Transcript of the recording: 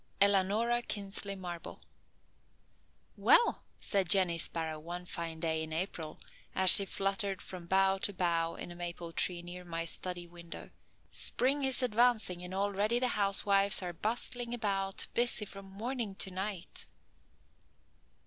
ELANORA KINSLEY MARBLE. "Well," said Jenny Sparrow one fine day in April, as she fluttered from bough to bough in a maple tree near my study window, "spring is advancing and already the housewives are bustling about busy from morning till night.